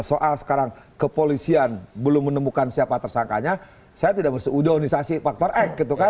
soal sekarang kepolisian belum menemukan siapa tersangkanya saya tidak bersudah organisasi faktor x